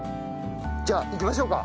じゃあいきましょうか。